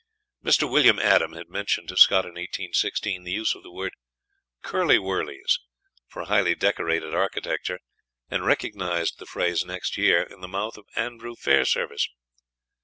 Mr. William Adam had mentioned to Scott in 1816 the use of the word "curlie wurlies" for highly decorated architecture, and recognised the phrase, next year, in the mouth of Andrew Fairservice.